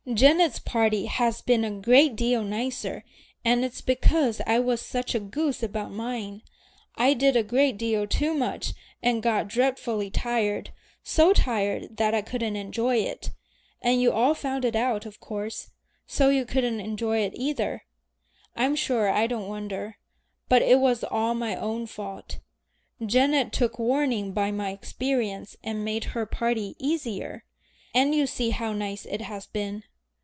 Janet's party has been a great deal nicer, and it's because I was such a goose about mine. I did a great deal too much and got dreadfully tired, so tired that I couldn't enjoy it, and you all found it out of course, so you couldn't enjoy it either. I'm sure I don't wonder, but it was all my own fault. Janet took warning by my experience and made her party easier, and you see how nice it has been.